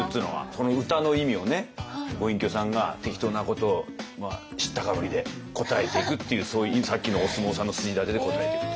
この歌の意味をご隠居さんが適当なことを知ったかぶりで答えていくっていうそういうさっきのお相撲さんの筋立てで答えていくと。